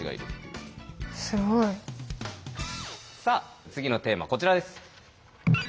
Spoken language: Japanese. さあ次のテーマこちらです。